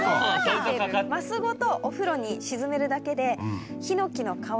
枡ごとお風呂に沈めるだけで。